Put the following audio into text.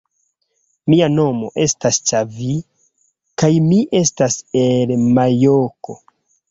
Mia nomo estas Ĉavi kaj mi estas el majoko